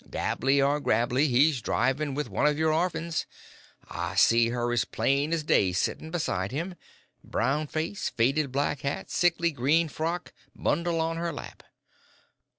"Dabley or Grabley, he's driving with one of your orphans. I see her as plain as day sitting beside him brown face, faded black hat, sickly green frock, bundle on her lap."